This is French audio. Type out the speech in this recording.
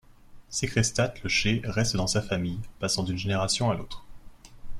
Sécrestat, le chai reste dans sa famille passant d'une génération à l'autre.